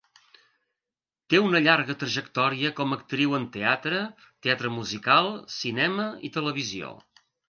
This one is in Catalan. Té una llarga trajectòria com a actriu en teatre, teatre musical, cinema i televisió.